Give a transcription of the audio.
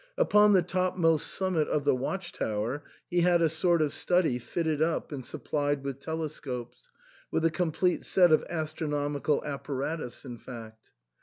Upon the topmost summit of the watch tower he had a sort of study fitted up and supplied with telescopes — with a complete set of astronomical apparatus, in fact.